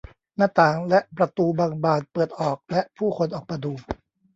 หน้าต่างและประตูบางบานเปิดออกและผู้คนออกมาดู